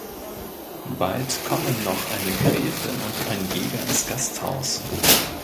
Bald kommen noch eine Gräfin und ein Jäger ins Gasthaus.